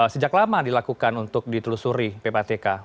sejak lama dilakukan untuk ditelusuri ppatk